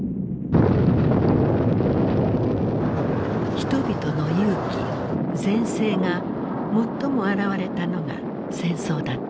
人々の勇気善性が最も現れたのが戦争だった。